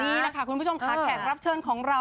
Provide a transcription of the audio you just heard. นี่แหละค่ะคุณผู้ชมค่ะแขกรับเชิญของเรา